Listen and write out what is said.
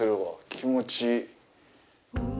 気持ちいい。